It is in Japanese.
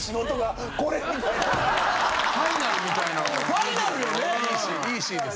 ファイナルよね。